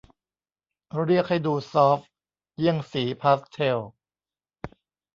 เรียกให้ดูซอฟต์เยี่ยงสีพาสเทล